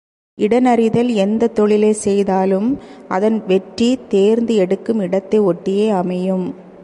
இடன் அறிதல் எந்தத் தொழிலைச் செய்தாலும் அதன் வெற்றி, தேர்ந்து எடுக்கும் இடத்தை ஒட்டியே அமையும்.